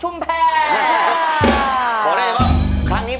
ไม